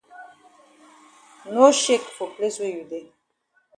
No shake for place wey you dey.